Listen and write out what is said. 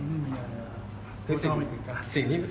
สักนิดหนึ่ง